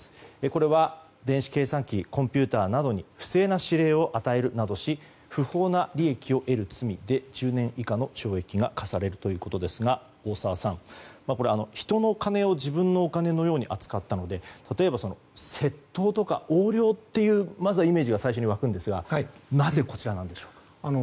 これは、電子計算機コンピューターなどに不正な指令を与えるなどし不法な利益を得る罪で１０年以下の懲役が科されるということですが大澤さん、これは人のお金を自分のお金のように扱ったので、例えば窃盗とか横領というイメージが最初に湧くんですがなぜ、こちらなんでしょう？